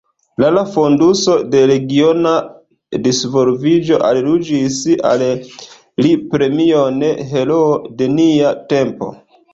La la Fonduso de Regiona Disvolviĝo aljuĝis al li premion «Heroo de nia tempo».